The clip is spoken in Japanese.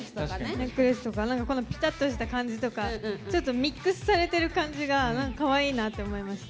ネックレスとかなんかこのぴたっとした感じとかちょっとミックスされてる感じがかわいいなって思いました。